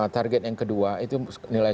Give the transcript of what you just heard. target yang kedua itu nilai